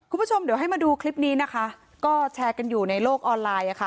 คุณผู้ชมเดี๋ยวให้มาดูคลิปนี้นะคะก็แชร์กันอยู่ในโลกออนไลน์อ่ะค่ะ